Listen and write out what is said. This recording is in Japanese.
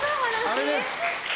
あれです。